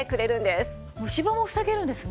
虫歯も防げるんですね。